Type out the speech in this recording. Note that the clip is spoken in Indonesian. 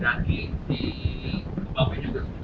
terus ganti di kebabnya juga seudah